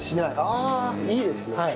ああいいですね。